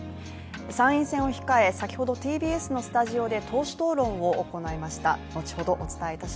参院選を控え先ほどＴＢＳのスタジオで党首討論を行いました。